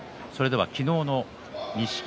昨日の錦木